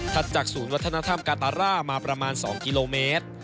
จากศูนย์วัฒนธรรมกาตาร่ามาประมาณ๒กิโลเมตร